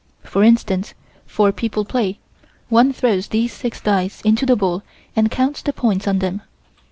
For instance, four people play. One throws these six dice into the bowl and counts the points on them.